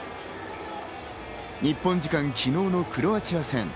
日本時間昨日のクロアチア戦。